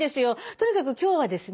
とにかく今日はですね